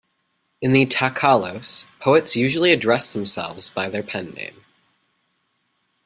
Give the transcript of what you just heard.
In the "takhallos" poets usually address themselves by their pen-name.